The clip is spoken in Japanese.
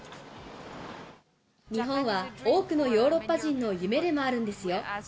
日本は多くのヨーロッパ人の夢でもあるんですよ。